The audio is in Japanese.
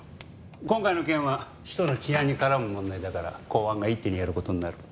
今回の件は首都の治安に絡む問題だから公安が一手にやる事になる。